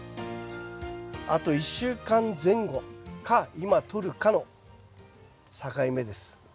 あと１週間前後か今とるかの境目です。